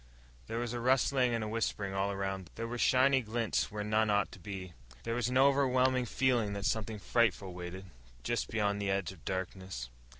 There was a rustling and a whispering all around them. There were shiny glints where none ought to be. There was an overwhelming feeling that something frightful waited just beyond the edge of darkness.